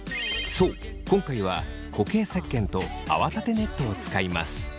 そう今回は固形せっけんと泡立てネットを使います。